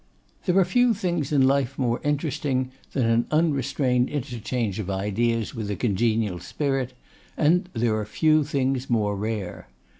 There are few things in life more interesting than an unrestrained interchange of ideas with a congenial spirit, and there are few things more rare.